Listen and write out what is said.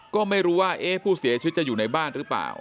ก็ไม่รู้ว่าผู้เสียชีวิตจะอยู่ในบ้านหรือเปล่า